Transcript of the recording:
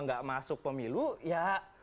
nggak masuk pemilu ya